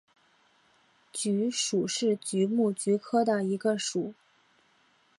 菊属是菊目菊科的一个属。